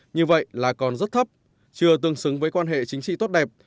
như vậy là còn rất thấp chưa tương xứng với quan hệ chính trị tốt đẹp